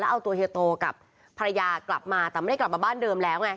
เอาตัวเฮียโตกับภรรยากลับมาแต่ไม่ได้กลับมาบ้านเดิมแล้วไง